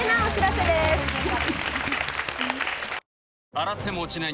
洗っても落ちない